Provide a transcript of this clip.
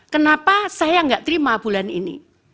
kenapa saya nggak terima bulan ini